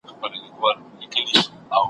په زارئ و په سجدو کي.